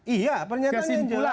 iya pernyataan yang jelas